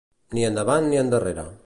Ni endavant, ni endarrere.